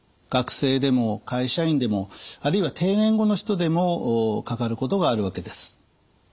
学生でも会社員でもあるいは定年後の人でもかかることがあるわけです。